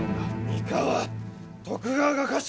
三河徳川が家臣！